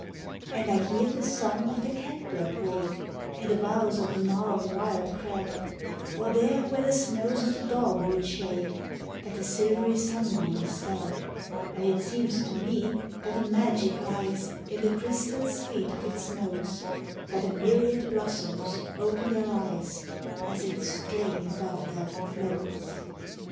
II And I hear the song of the cat bird wake I' the boughs o' the gnarled wild crab, Or there where the snows of the dogwood shake, That the silvery sunbeams stab: And it seems to me that a magic lies In the crystal sweet of its notes, That a myriad blossoms open their eyes As its strain above them floats.